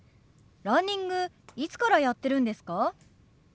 ランニングいつからやってるんですか？